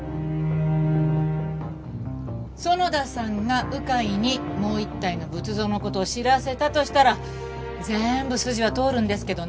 園田さんが鵜飼にもう一体の仏像の事を知らせたとしたら全部筋は通るんですけどね。